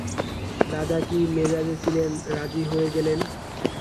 দাদা কী মেজাজে ছিলেন রাজি হয়ে গেলেন।